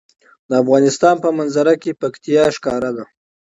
د افغانستان په منظره کې پکتیا ښکاره ده.